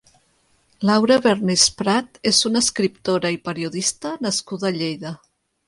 Laura Bernis Prat és una escriptora i periodista nascuda a Lleida.